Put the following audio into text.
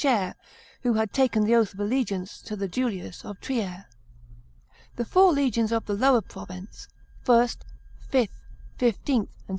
share — who had taken the oath of allegiance to the Julius of Trier. The four legions of the Lower province (I., V., XV., XVI.)